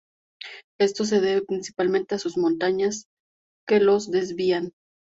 Esto se debe principalmente a sus montañas, que los desvían.